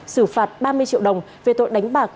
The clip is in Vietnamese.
xử phạt ba mươi triệu đồng về tội đánh bạc